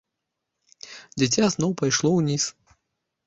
Дзіця зноў пайшло ўніз.